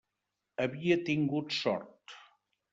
Havia tingut sort.